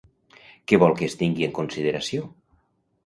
Què vol que es tingui en consideració?